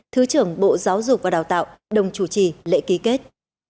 thứ trưởng bộ giáo dục và đào tạo đồng chủ trì lễ ký kết